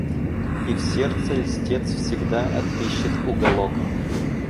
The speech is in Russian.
И в сердце льстец всегда отыщет уголок.